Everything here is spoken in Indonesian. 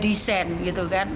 di desain gitu kan